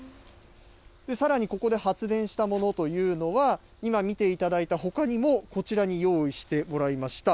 さらに、ここで発電したものというのは、今見ていただいたほかにもこちらに用意してもらいました。